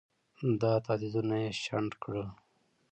دا تهدیدونه یې شنډ کړل.